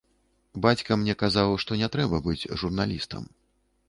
Бацька мне казаў, што не трэба быць журналістам.